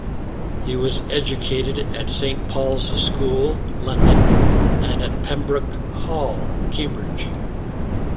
He was educated at Saint Paul's School, London, and at Pembroke Hall, Cambridge.